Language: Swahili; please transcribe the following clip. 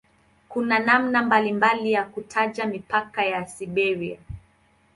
Kuna namna mbalimbali ya kutaja mipaka ya "Siberia".